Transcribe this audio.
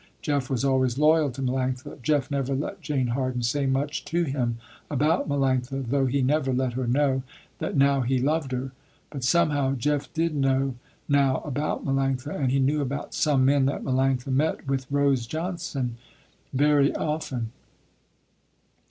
Jeff was always loyal to Melanctha. Jeff never let Jane Harden say much to him about Melanctha, though he never let her know that now he loved her. But somehow Jeff did know now about Melanctha, and he knew about some men that Melanctha met with Rose Johnson very often.